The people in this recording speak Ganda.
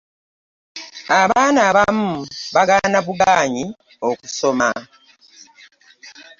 Abaana abamu bagaana buganyi okusoma.